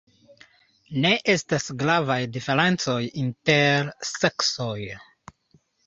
Ne estas gravaj diferencoj inter seksoj.